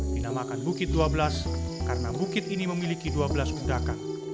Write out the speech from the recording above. dinamakan bukit dua belas karena bukit ini memiliki dua belas pudakan